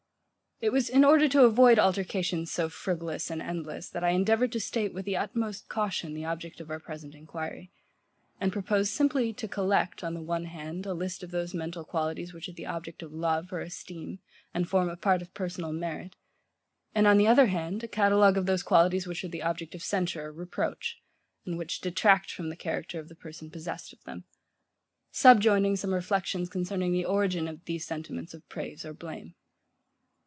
It was in order to avoid altercations, so frivolous and endless, that I endeavoured to state with the utmost caution the object of our present enquiry; and proposed simply to collect, on the one hand, a list of those mental qualities which are the object of love or esteem, and form a part of personal merit; and on the other hand, a catalogue of those qualities which are the object of censure or reproach, and which detract from the character of the person possessed of them; subjoining some reflections concerning the origin of these sentiments of praise or blame.